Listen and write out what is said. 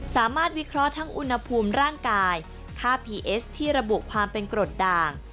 วิเคราะห์ทั้งอุณหภูมิร่างกายค่าพีเอสที่ระบุความเป็นกรดด่าง